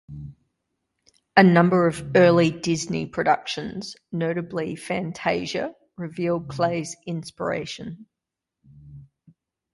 A number of early Disney productions, notably "Fantasia", reveal Kley's inspiration.